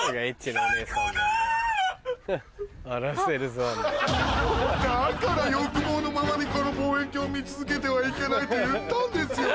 最高だ‼だから欲望のままにこの望遠鏡を見続けてはいけないと言ったんですよ。